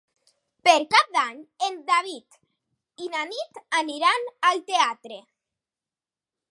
Per Cap d'Any en David i na Nit aniran al teatre.